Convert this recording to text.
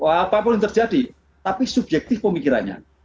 apa pun yang terjadi tapi subjektif pemikirannya